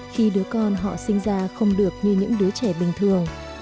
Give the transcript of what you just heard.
khi đứa con họ sinh ra không được như những đứa trẻ bình thường